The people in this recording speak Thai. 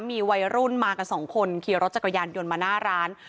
มีวัยรุ่นมากันสองคนขี่รถจักรยานยนต์มาหน้าร้าน